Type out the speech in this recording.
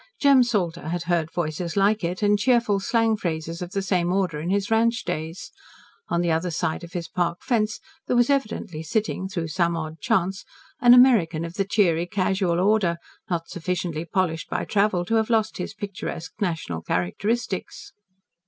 Jem Salter had heard voices like it, and cheerful slang phrases of the same order in his ranch days. On the other side of his park fence there was evidently sitting, through some odd chance, an American of the cheery, casual order, not sufficiently polished by travel to have lost his picturesque national characteristics.